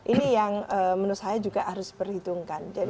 ini yang menurut saya juga harus diperhitungkan